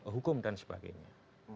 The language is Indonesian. hukum dan sebagainya